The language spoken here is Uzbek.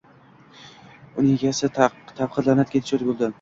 Uni egasi tavqi laʼnatga duchor boʻladi.